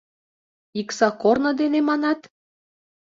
Икса корно дене, манат?